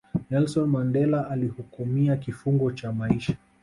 nelson mandela alihukumia kifungo cha maisha